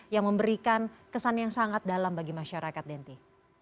yang memberikan kesan yang sangat dalam bagi masyarakat denty